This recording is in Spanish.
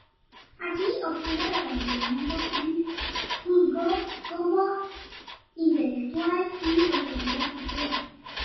Así obtuvo reconocimiento en el Cuzco como intelectual y autoridad cultural.